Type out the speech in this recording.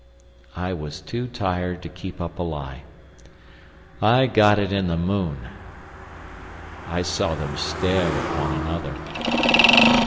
I was too tired to keep up a lie. "I got it in the moon." I saw them stare at one another.